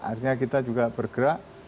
akhirnya kita juga bergerak